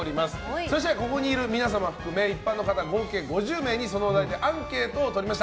そして、ここにいる皆さん含め一般の方合計５０名にそのお題でアンケートを取りました。